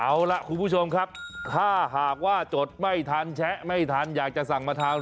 เอาล่ะคุณผู้ชมครับถ้าหากว่าจดไม่ทันแชะไม่ทันอยากจะสั่งมาทาน